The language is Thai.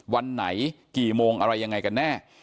วันไหนกี่โมงอะไรยังไงกันแน่